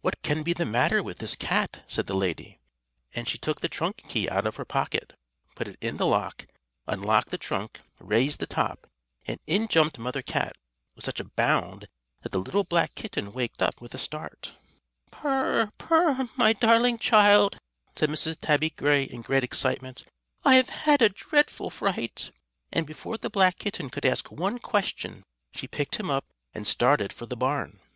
"What can be the matter with this cat?" said the lady; and she took the trunk key out of her pocket, put it in the lock, unlocked the trunk, raised the top and in jumped Mother Cat with such a bound that the little black kitten waked up with a start. [Illustration: The lady followed her; and she led the way to the trunk.] "Purr, purr, my darling child," said Mrs. Tabby Gray, in great excitement; "I have had a dreadful fright!" and before the black kitten could ask one question she picked him up and started for the barn.